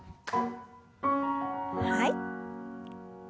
はい。